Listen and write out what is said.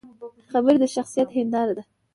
خبرې د شخصیت هنداره ده